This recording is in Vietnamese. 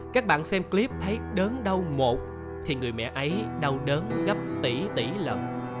các bạn xem clip thấy đớn đau một thì người mẹ ấy đau đớn gấp tỷ tỷ lệ